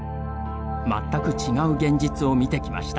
全く違う現実を見てきました。